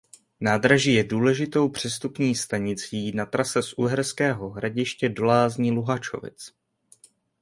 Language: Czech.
Nádraží je důležitou přestupní stanicí na trase z Uherského Hradiště do lázní Luhačovic.